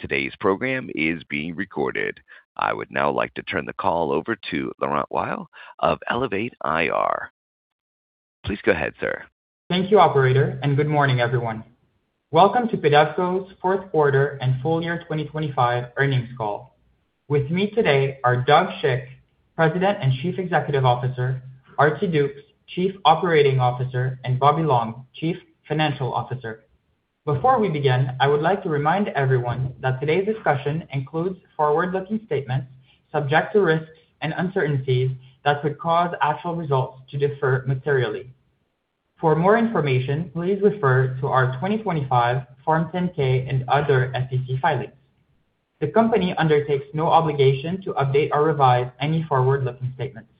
Today's program is being recorded. I would now like to turn the call over to Laurent Weil of Elevate IR. Please go ahead, sir. Thank you, operator, and good morning everyone. Welcome to PEDEVCO's fourth quarter and full year 2025 earnings call. With me today are Doug Shick, President and Chief Executive Officer, R.T. Dukes, Chief Operating Officer, and Bobby Long, Chief Financial Officer. Before we begin, I would like to remind everyone that today's discussion includes forward-looking statements subject to risks and uncertainties that could cause actual results to differ materially. For more information, please refer to our 2025 Form 10-K and other SEC filings. The company undertakes no obligation to update or revise any forward-looking statements.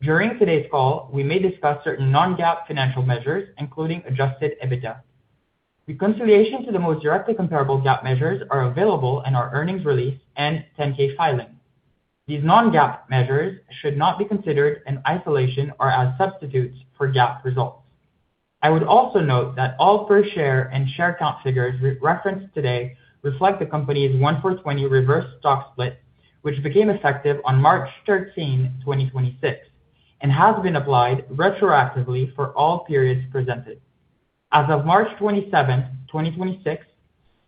During today's call, we may discuss certain non-GAAP financial measures, including adjusted EBITDA. Reconciliation to the most directly comparable GAAP measures are available in our earnings release and 10-K filing. These non-GAAP measures should not be considered in isolation or as substitutes for GAAP results. I would also note that all per share and share count figures referenced today reflect the company's one-for-20 reverse stock split, which became effective on March 13, 2026, and has been applied retroactively for all periods presented. As of March 27, 2026,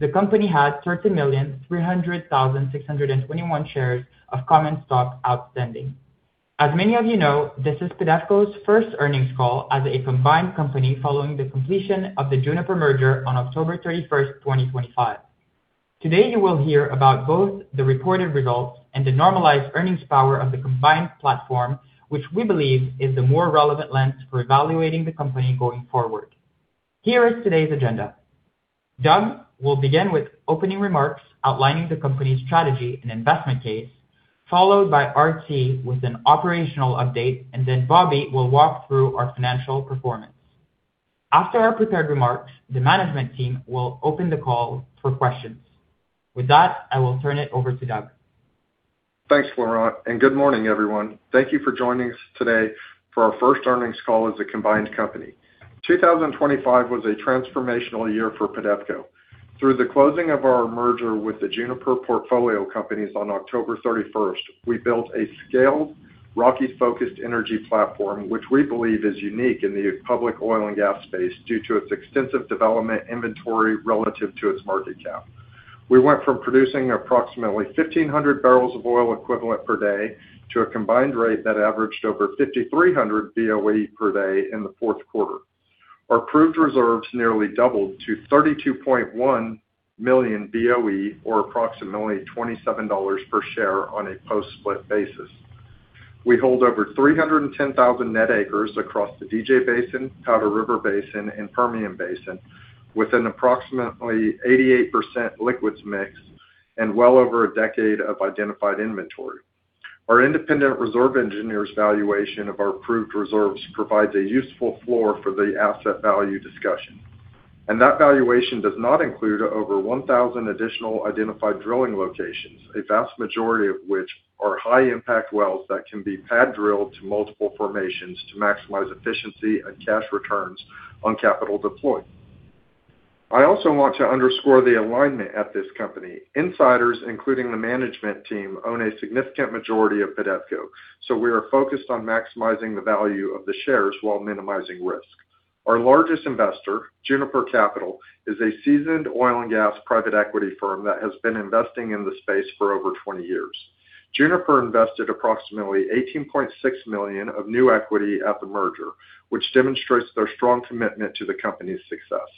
the company had 13,300,621 shares of common stock outstanding. As many of you know, this is PEDEVCO's first earnings call as a combined company following the completion of the Juniper merger on October 31st, 2025. Today, you will hear about both the reported results and the normalized earnings power of the combined platform, which we believe is the more relevant lens for evaluating the company going forward. Here is today's agenda. Doug will begin with opening remarks outlining the company's strategy and investment case, followed by R.T. With an operational update, and then Bobby will walk through our financial performance. After our prepared remarks, the management team will open the call for questions. With that, I will turn it over to Doug. Thanks, Laurent, and good morning everyone. Thank you for joining us today for our first earnings call as a combined company. 2025 was a transformational year for PEDEVCO. Through the closing of our merger with the Juniper portfolio companies on October 31st, we built a scaled, Rocky-focused energy platform, which we believe is unique in the public oil and gas space due to its extensive development inventory relative to its market cap. We went from producing approximately 1,500 bbl of oil equivalent per day to a combined rate that averaged over 5,300 BOE per day in the fourth quarter. Our proved reserves nearly doubled to 32.1 million BOE, or approximately $27 per share on a post-split basis. We hold over 310,000 net acres across the DJ Basin, Powder River Basin, and Permian Basin with an approximately 88% liquids mix and well over a decade of identified inventory. Our independent reserve engineers' valuation of our proved reserves provides a useful floor for the asset value discussion, and that valuation does not include over 1,000 additional identified drilling locations, a vast majority of which are high impact wells that can be pad drilled to multiple formations to maximize efficiency and cash returns on capital deployed. I also want to underscore the alignment at this company. Insiders, including the management team, own a significant majority of PEDEVCO, so we are focused on maximizing the value of the shares while minimizing risk. Our largest investor, Juniper Capital, is a seasoned oil and gas private equity firm that has been investing in the space for over 20 years. Juniper invested approximately $18.6 million of new equity at the merger, which demonstrates their strong commitment to the company's success.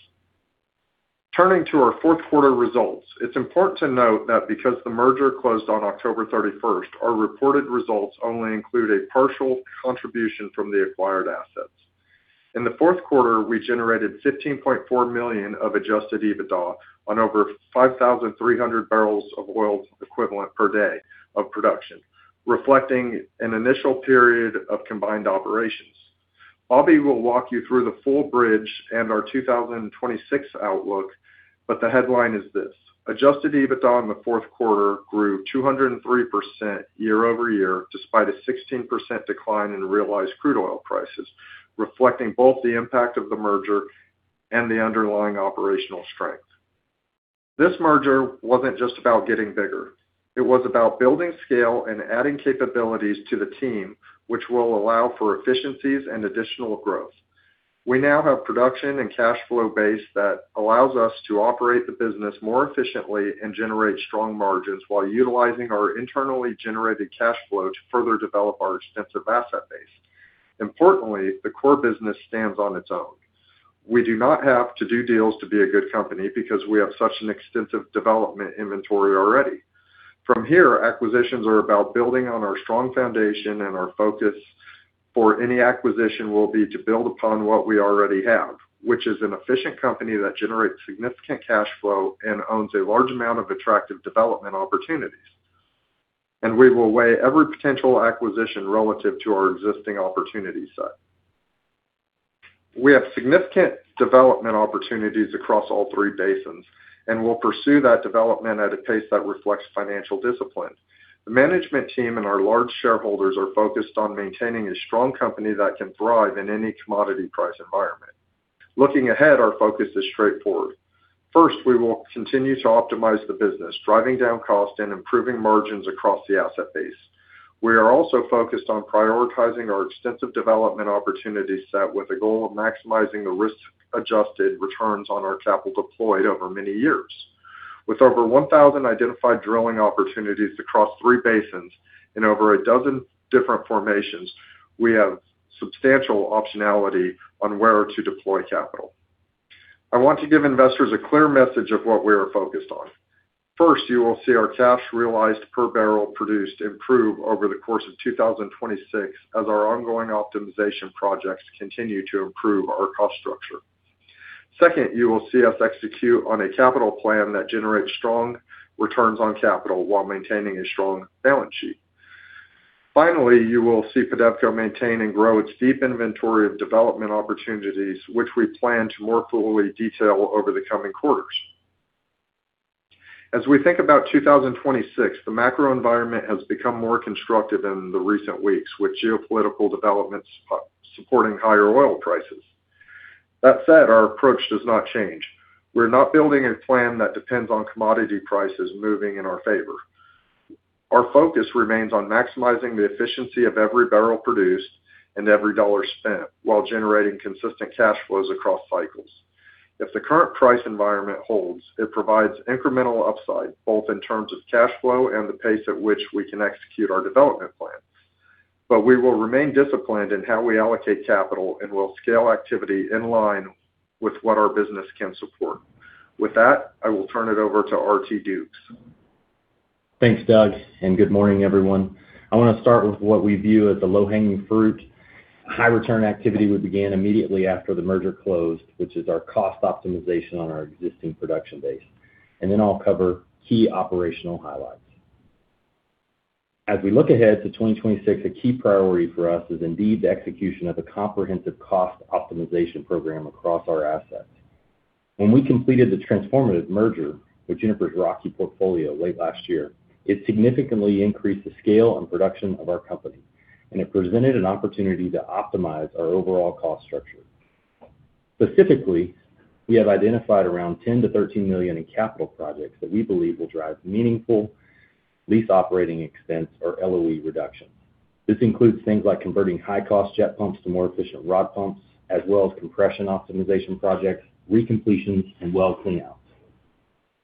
Turning to our fourth quarter results, it's important to note that because the merger closed on October 31, our reported results only include a partial contribution from the acquired assets. In the fourth quarter, we generated $15.4 million of adjusted EBITDA on over 5,300 bbl of oil equivalent per day of production, reflecting an initial period of combined operations. Bobby will walk you through the full bridge and our 2026 outlook, but the headline is this. Adjusted EBITDA in the fourth quarter grew 203% year-over-year, despite a 16% decline in realized crude oil prices, reflecting both the impact of the merger and the underlying operational strength. This merger wasn't just about getting bigger. It was about building scale and adding capabilities to the team, which will allow for efficiencies and additional growth. We now have production and cash flow base that allows us to operate the business more efficiently and generate strong margins while utilizing our internally generated cash flow to further develop our extensive asset base. Importantly, the core business stands on its own. We do not have to do deals to be a good company because we have such an extensive development inventory already. From here, acquisitions are about building on our strong foundation, and our focus for any acquisition will be to build upon what we already have, which is an efficient company that generates significant cash flow and owns a large amount of attractive development opportunities. We will weigh every potential acquisition relative to our existing opportunity set. We have significant development opportunities across all three basins and will pursue that development at a pace that reflects financial discipline. The management team and our large shareholders are focused on maintaining a strong company that can thrive in any commodity price environment. Looking ahead, our focus is straightforward. First, we will continue to optimize the business, driving down cost and improving margins across the asset base. We are also focused on prioritizing our extensive development opportunity set with a goal of maximizing the risk-adjusted returns on our capital deployed over many years. With over 1,000 identified drilling opportunities across three basins in over a dozen different formations, we have substantial optionality on where to deploy capital. I want to give investors a clear message of what we are focused on. First, you will see our cash realized per bbl produced improve over the course of 2026 as our ongoing optimization projects continue to improve our cost structure. Second, you will see us execute on a capital plan that generates strong returns on capital while maintaining a strong balance sheet. Finally, you will see PEDEVCO maintain and grow its deep inventory of development opportunities, which we plan to more fully detail over the coming quarters. As we think about 2026, the macro environment has become more constructive in the recent weeks, with geopolitical developments supporting higher oil prices. That said, our approach does not change. We're not building a plan that depends on commodity prices moving in our favor. Our focus remains on maximizing the efficiency of every bbl produced and every dollar spent while generating consistent cash flows across cycles. If the current price environment holds, it provides incremental upside, both in terms of cash flow and the pace at which we can execute our development plans. We will remain disciplined in how we allocate capital, and we'll scale activity in line with what our business can support. With that, I will turn it over to R.T. Dukes. Thanks, Doug, and good morning, everyone. I wanna start with what we view as the low-hanging fruit, high return activity we began immediately after the merger closed, which is our cost optimization on our existing production base. I'll cover key operational highlights. As we look ahead to 2026, a key priority for us is indeed the execution of a comprehensive cost optimization program across our assets. When we completed the transformative merger with Juniper's Rocky portfolio late last year, it significantly increased the scale and production of our company, and it presented an opportunity to optimize our overall cost structure. Specifically, we have identified around $10 million-$13 million in capital projects that we believe will drive meaningful lease operating expense or LOE reduction. This includes things like converting high-cost jet pumps to more efficient rod pumps, as well as compression optimization projects, recompletions and well cleanouts.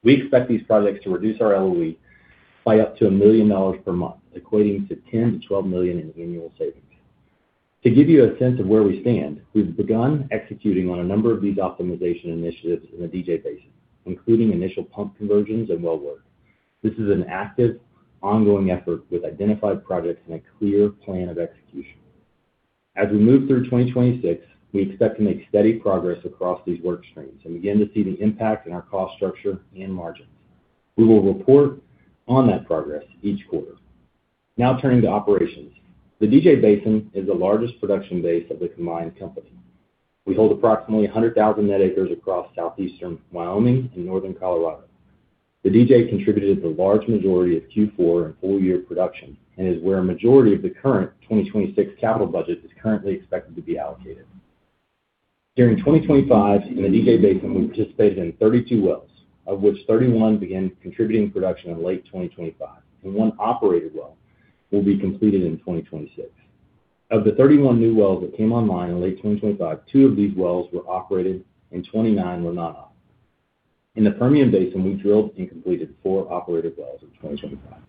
We expect these projects to reduce our LOE by up to $1 million per month, equating to $10 million-$12 million in annual savings. To give you a sense of where we stand, we've begun executing on a number of these optimization initiatives in the DJ Basin, including initial pump conversions and well work. This is an active, ongoing effort with identified projects and a clear plan of execution. As we move through 2026, we expect to make steady progress across these work streams and begin to see the impact in our cost structure and margins. We will report on that progress each quarter. Now turning to operations. The DJ Basin is the largest production base of the combined company. We hold approximately 100,000 net acres across southeastern Wyoming and northern Colorado. The DJ contributed the large majority of Q4 and full-year production and is where a majority of the current 2026 capital budget is currently expected to be allocated. During 2025 in the DJ Basin, we participated in 32 wells, of which 31 began contributing production in late 2025, and one operated well will be completed in 2026. Of the 31 new wells that came online in late 2025, two of these wells were operated and 29 were non-op. In the Permian Basin, we drilled and completed four operated wells in 2025.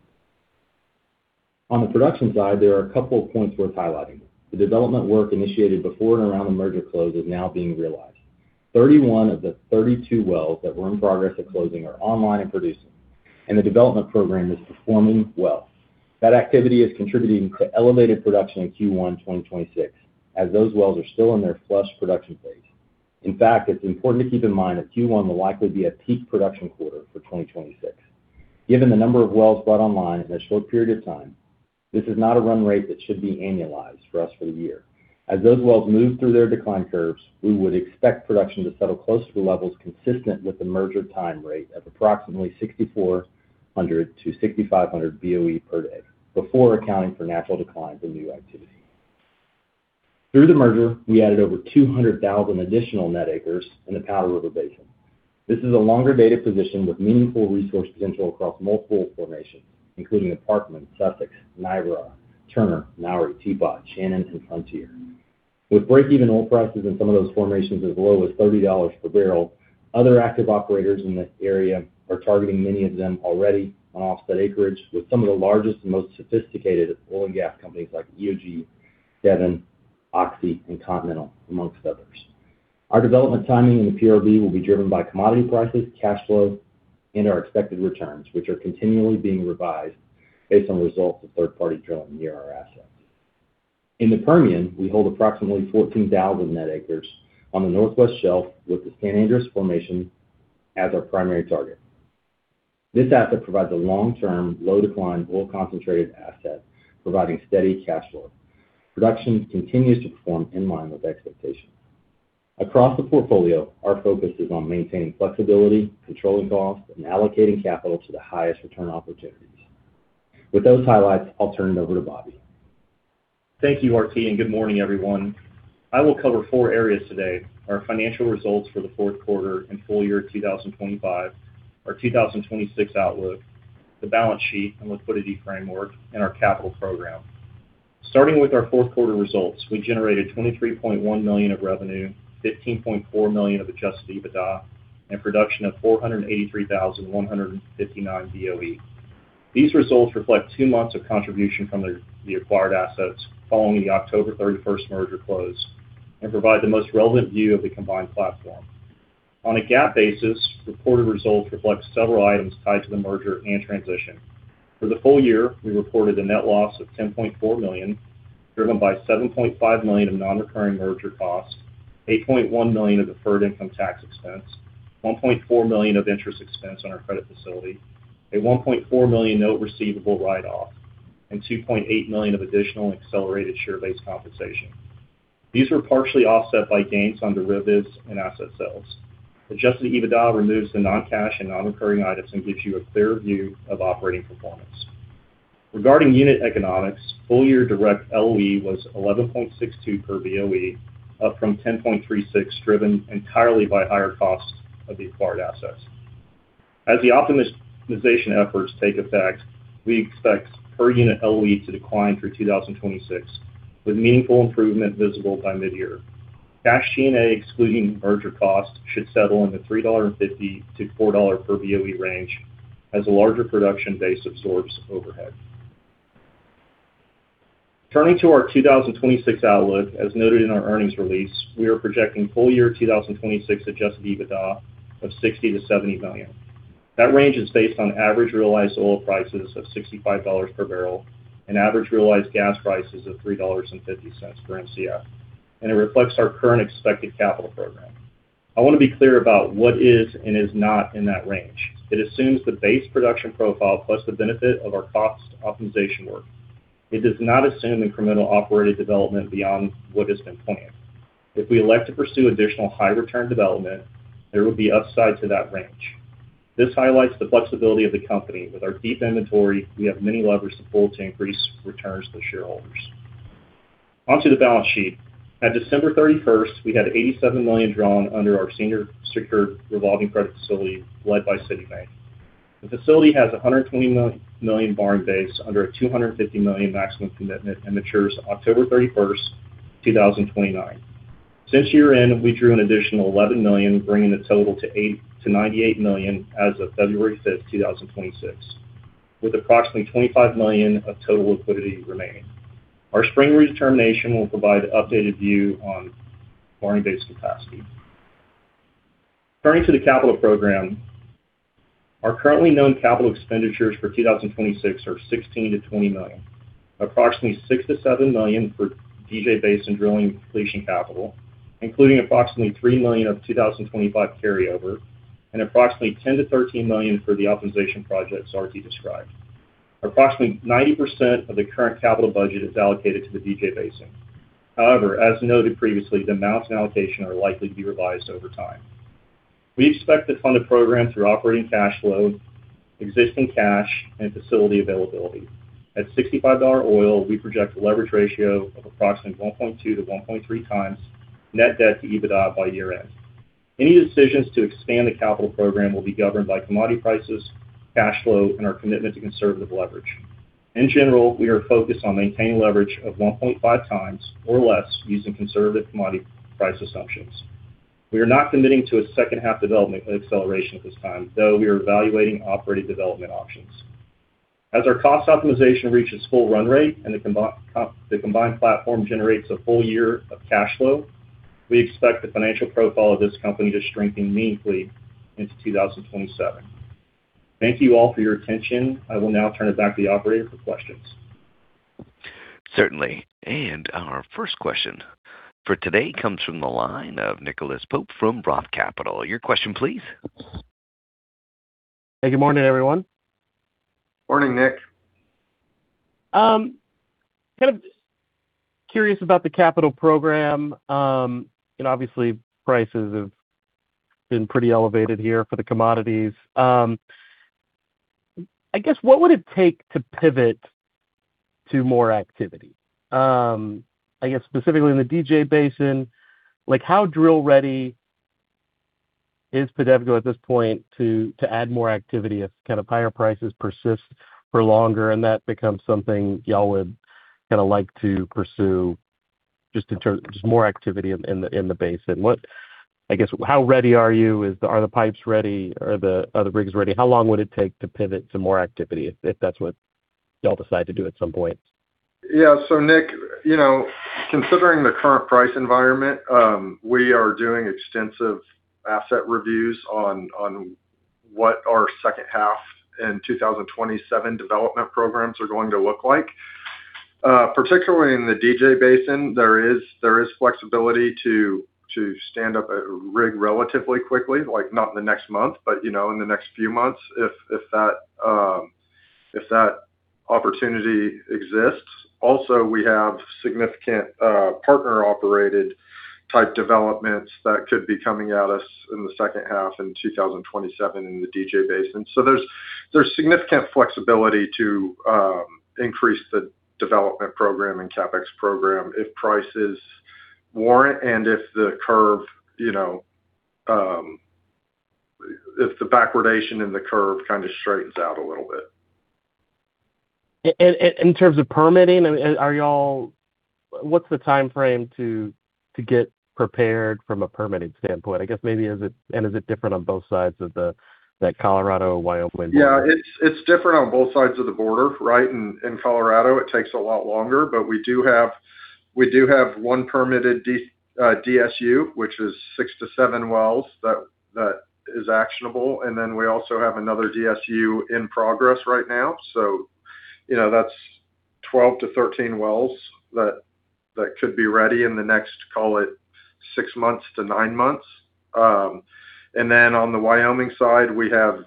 On the production side, there are a couple of points worth highlighting. The development work initiated before and around the merger close is now being realized. 31 of the 32 wells that were in progress at closing are online and producing, and the development program is performing well. That activity is contributing to elevated production in Q1 2026, as those wells are still in their flush production phase. In fact, it's important to keep in mind that Q1 will likely be a peak production quarter for 2026. Given the number of wells brought online in a short period of time, this is not a run rate that should be annualized for us for the year. As those wells move through their decline curves, we would expect production to settle close to the levels consistent with the merger time rate of approximately 6,400-6,500 BOE per day before accounting for natural declines in new activity. Through the merger, we added over 200,000 additional net acres in the Powder River Basin. This is a longer-dated position with meaningful resource potential across multiple formations, including the Parkman, Sussex, Niobrara, Turner, Mowry, Teapot, Shannon, and Frontier. With break-even oil prices in some of those formations as low as $30 per bbl, other active operators in this area are targeting many of them already on offset acreage with some of the largest and most sophisticated oil and gas companies like EOG, Devon, Oxy, and Continental, amongst others. Our development timing in the PRB will be driven by commodity prices, cash flow, and our expected returns, which are continually being revised based on results of third-party drilling near our assets. In the Permian, we hold approximately 14,000 net acres on the Northwest Shelf with the San Andres formation as our primary target. This asset provides a long-term, low decline, oil-concentrated asset, providing steady cash flow. Production continues to perform in line with expectations. Across the portfolio, our focus is on maintaining flexibility, controlling costs, and allocating capital to the highest return opportunities. With those highlights, I'll turn it over to Bobby. Thank you, R.T., and good morning, everyone. I will cover four areas today. Our financial results for the fourth quarter and full year 2025, our 2026 outlook, the balance sheet and liquidity framework, and our capital program. Starting with our fourth quarter results, we generated $23.1 million of revenue, $15.4 million of Adjusted EBITDA, and production of 483,159 BOE. These results reflect two months of contribution from the acquired assets following the October 31 merger close and provide the most relevant view of the combined platform. On a GAAP basis, reported results reflect several items tied to the merger and transition. For the full year, we reported a net loss of $10.4 million, driven by $7.5 million of non-recurring merger costs, $8.1 million of deferred income tax expense, $1.4 million of interest expense on our credit facility, a $1.4 million note receivable write-off, and $2.8 million of additional accelerated share-based compensation. These were partially offset by gains on derivatives and asset sales. Adjusted EBITDA removes the non-cash and non-recurring items and gives you a clearer view of operating performance. Regarding unit economics, full year direct LOE was 11.62 per BOE, up from 10.36, driven entirely by higher costs of the acquired assets. As the optimization efforts take effect, we expect per unit LOE to decline through 2026, with meaningful improvement visible by mid-year. Cash G&A, excluding merger costs, should settle into $3.50-$4 per BOE range as a larger production base absorbs overhead. Turning to our 2026 outlook, as noted in our earnings release, we are projecting full year 2026 Adjusted EBITDA of $60 million-$70 million. That range is based on average realized oil prices of $65 per bbl and average realized gas prices of $3.50 per Mcf, and it reflects our current expected capital program. I want to be clear about what is and is not in that range. It assumes the base production profile plus the benefit of our cost optimization work. It does not assume incremental operated development beyond what has been planned. If we elect to pursue additional high return development, there will be upside to that range. This highlights the flexibility of the company. With our deep inventory, we have many levers to pull to increase returns to shareholders. On to the balance sheet. At December 31st, we had $87 million drawn under our senior secured revolving credit facility led by Citibank. The facility has a $120 million borrowing base under a $250 million maximum commitment and matures October 31, 2029. Since year-end, we drew an additional $11 million, bringing the total to $98 million as of February 5, 2026, with approximately $25 million of total liquidity remaining. Our spring redetermination will provide updated view on borrowing base capacity. Turning to the capital program, our currently known capital expenditures for 2026 are $16 million-$20 million, approximately $6 million-$7 million for DJ Basin drilling completion capital, including approximately $3 million of 2025 carryover, and approximately $10 million-$13 million for the optimization projects RT described. Approximately 90% of the current capital budget is allocated to the DJ Basin. However, as noted previously, the amounts and allocation are likely to be revised over time. We expect to fund the program through operating cash flow, existing cash, and facility availability. At $65 oil, we project a leverage ratio of approximately 1.2-1.3x net debt to EBITDA by year-end. Any decisions to expand the capital program will be governed by commodity prices, cash flow, and our commitment to conservative leverage. In general, we are focused on maintaining leverage of 1.5x or less using conservative commodity price assumptions. We are not committing to a second half development acceleration at this time, though we are evaluating operating development options. As our cost optimization reaches full run rate and the combined platform generates a full year of cash flow, we expect the financial profile of this company to strengthen meaningfully into 2027. Thank you all for your attention. I will now turn it back to the operator for questions. Certainly. Our first question for today comes from the line of Nicholas Pope from Roth Capital. Your question, please. Hey, good morning, everyone. Morning, Nick.. Kind of curious about the capital program. Obviously prices have been pretty elevated here for the commodities. I guess what would it take to pivot to more activity? I guess specifically in the DJ Basin, like how drill ready is Devon at this point to add more activity if kind of higher prices persist for longer, and that becomes something y'all would kinda like to pursue just more activity in the basin? I guess, how ready are you? Are the pipes ready? Are the rigs ready? How long would it take to pivot to more activity if that's what y'all decide to do at some point? Yeah. Nick, you know, considering the current price environment, we are doing extensive asset reviews on what our second half in 2027 development programs are going to look like. Particularly in the DJ Basin, there is flexibility to stand up a rig relatively quickly, like not in the next month, but you know, in the next few months if that opportunity exists. Also, we have significant partner-operated type developments that could be coming at us in the second half in 2027 in the DJ Basin. There's There's significant flexibility to increase the development program and CapEx program if prices warrant and if the curve, you know, if the backwardation in the curve kind of straightens out a little bit. In terms of permitting, what's the timeframe to get prepared from a permitting standpoint? I guess maybe and is it different on both sides of that Colorado, Wyoming. Yeah. It's different on both sides of the border, right? In Colorado, it takes a lot longer. We have one permitted DSU, which is six-seven wells that is actionable. We also have another DSU in progress right now. You know, that's 12-13 wells that could be ready in the next, call it, six-nine months. On the Wyoming side, we have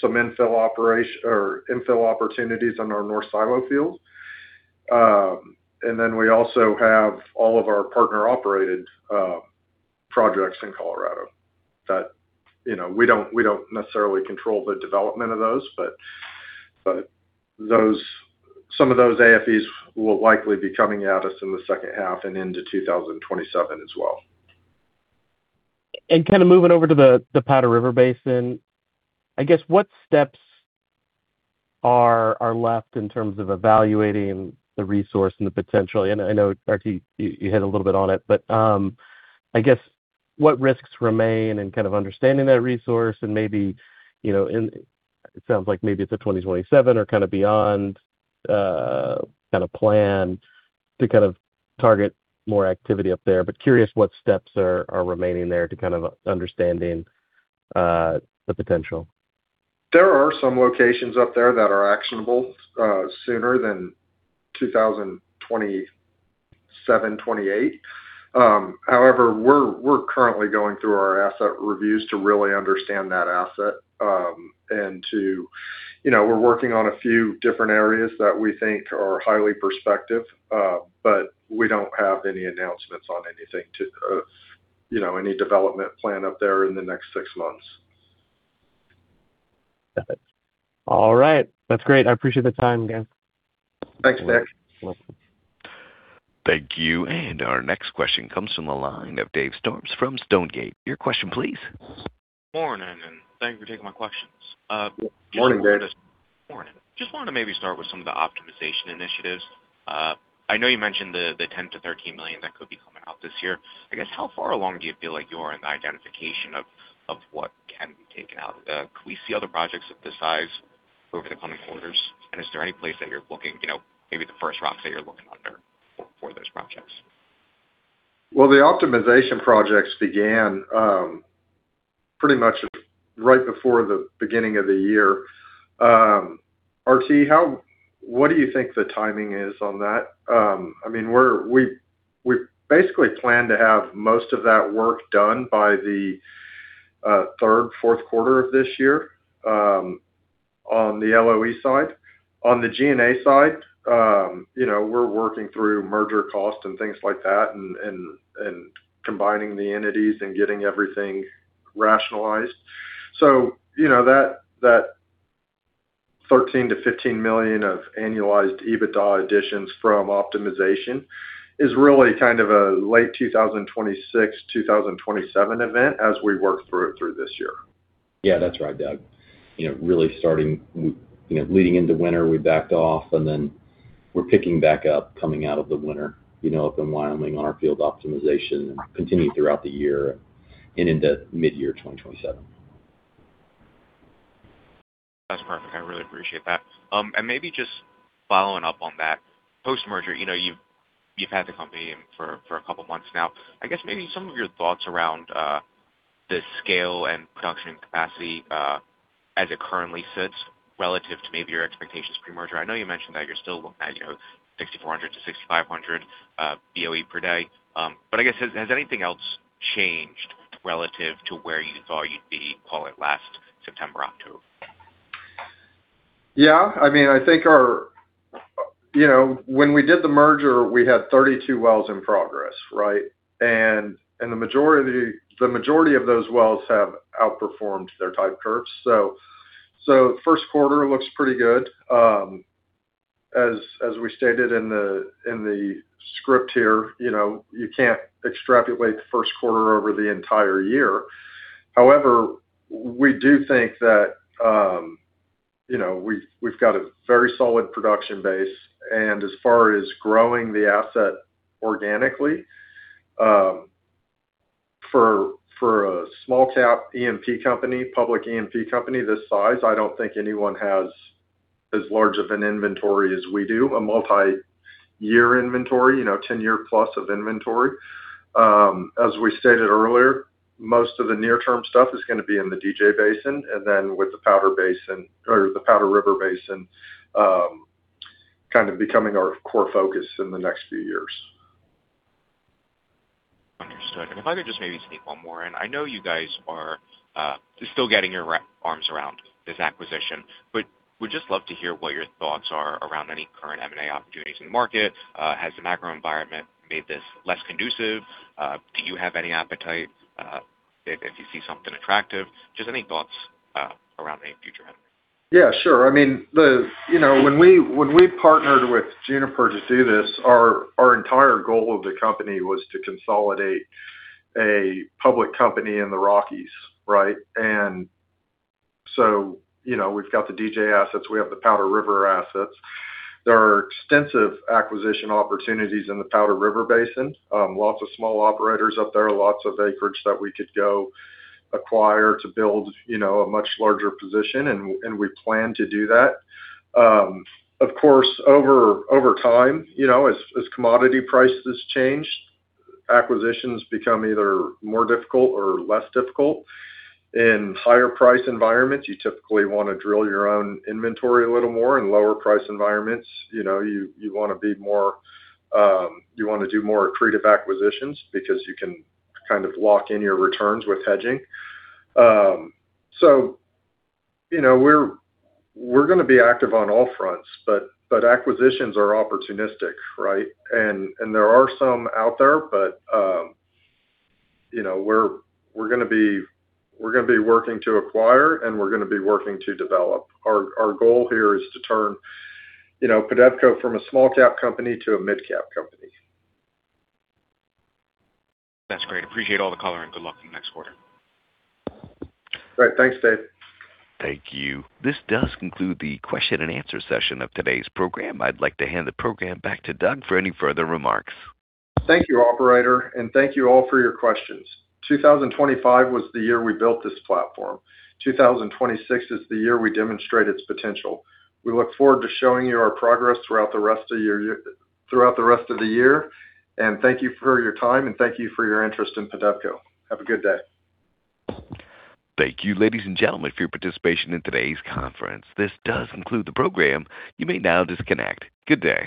some infill opportunities on our North Silo field. We also have all of our partner-operated projects in Colorado that, you know, we don't necessarily control the development of those. Those, some of those AFEs will likely be coming at us in the second half and into 2027 as well. Kind of moving over to the Powder River Basin, I guess, what steps are left in terms of evaluating the resource and the potential? I know, R.T., you hit a little bit on it. I guess what risks remain in kind of understanding that resource and maybe, you know, it sounds like maybe it's a 2027 or kind of beyond, kind of plan to kind of target more activity up there. Curious what steps are remaining there to kind of understand the potential. There are some locations up there that are actionable sooner than 2027-2028. However, we're currently going through our asset reviews to really understand that asset. You know, we're working on a few different areas that we think are highly prospective, but we don't have any announcements on anything, you know, any development plan up there in the next six months. Got it. All right. That's great. I appreciate the time, guys. Thanks, Nick. Welcome. Thank you. Our next question comes from the line of Dave Storms from Stonegate. Your question, please. Morning, and thank you for taking my questions. Morning, Dave. Morning. Just wanted to maybe start with some of the optimization initiatives. I know you mentioned the $10 million-$13 million that could be coming out this year. I guess, how far along do you feel like you are in the identification of what can be taken out? Could we see other projects of this size over the coming quarters? Is there any place that you're looking, you know, maybe the first rocks that you're looking under for those projects? Well, the optimization projects began pretty much right before the beginning of the year. RT, what do you think the timing is on that? I mean, we basically plan to have most of that work done by the third, fourth quarter of this year, on the LOE side. On the G&A side, you know, we're working through merger costs and things like that and combining the entities and getting everything rationalized. You know, $13 million-$15 million of annualized EBITDA additions from optimization is really kind of a late 2026, 2027 event as we work through it through this year. Yeah, that's right, Doug. You know, you know, leading into winter, we backed off, and then we're picking back up coming out of the winter, you know, up in Wyoming on our field optimization and continue throughout the year and into midyear 2027. That's perfect. I really appreciate that. Maybe just following up on that. Post-merger, you know, you've had the company for a couple months now. I guess maybe some of your thoughts around the scale and production capacity as it currently sits relative to maybe your expectations pre-merger. I know you mentioned that you're still looking at, you know, 6,400-6,500 BOE per day. I guess has anything else changed relative to where you thought you'd be, call it, last September, October? Yeah. I mean, I think our you know, when we did the merger, we had 32 wells in progress, right? The majority of those wells have outperformed their type curves. First quarter looks pretty good. As we stated in the script here, you know, you can't extrapolate the first quarter over the entire year. However, we do think that, you know, we've got a very solid production base. As far as growing the asset organically, for a small cap E&P company, public E&P company this size, I don't think anyone has as large of an inventory as we do, a multi-year inventory, you know, 10-year+ of inventory. As we stated earlier, most of the near-term stuff is gonna be in the DJ Basin, and then with the Powder Basin or the Powder River Basin, kind of becoming our core focus in the next few years. Understood. If I could just maybe sneak one more in. I know you guys are still getting your arms around this acquisition, but would just love to hear what your thoughts are around any current M&A opportunities in the market. Has the macro environment made this less conducive? Do you have any appetite if you see something attractive. Just any thoughts around any future M&A? Yeah, sure. I mean, you know, when we partnered with Juniper to do this, our entire goal of the company was to consolidate a public company in the Rockies, right? You know, we've got the DJ assets, we have the Powder River assets. There are extensive acquisition opportunities in the Powder River Basin. Lots of small operators up there, lots of acreage that we could go acquire to build, you know, a much larger position, and we plan to do that. Of course, over time, you know, as commodity prices change, acquisitions become either more difficult or less difficult. In higher price environments, you typically wanna drill your own inventory a little more. In lower price environments, you know, you wanna be more. You wanna do more accretive acquisitions because you can kind of lock in your returns with hedging. You know, we're gonna be active on all fronts, but acquisitions are opportunistic, right? There are some out there, but you know, we're gonna be working to acquire, and we're gonna be working to develop. Our goal here is to turn, you know, PEDEVCO from a small-cap company to a mid-cap company. That's great. Appreciate all the color, and good luck in the next quarter. All right. Thanks, Dave. Thank you. This does conclude the question and answer session of today's program. I'd like to hand the program back to Doug for any further remarks. Thank you, operator, and thank you all for your questions. 2025 was the year we built this platform. 2026 is the year we demonstrate its potential. We look forward to showing you our progress throughout the rest of the year. Thank you for your time, and thank you for your interest in PEDEVCO. Have a good day. Thank you, ladies and gentlemen, for your participation in today's conference. This does conclude the program. You may now disconnect. Good day.